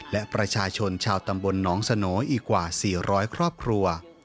และประชาชนชาวตำบลหนองสโนอีกกว่า๔๐๐ครอบครัว